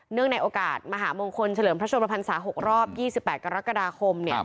เนื่องในโอกาสมหาบงคลเฉลิมพระชมภัณฑ์ศาสตร์๖รอบ๒๘กรกฎาคม